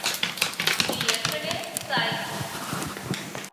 Лиеш ыле сай.